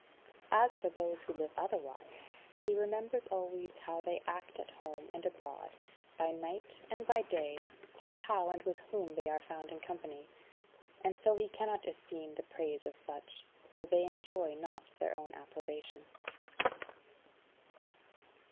As for those who live otherwise, he remembers always how they act at home and abroad, by night and by day, and how and with whom they are found in company. And so he cannot esteem the praise of such, for they enjoy not their own approbation.